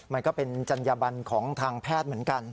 มันก็เป็นจัญญบันของทางแพทย์เหมือนกัน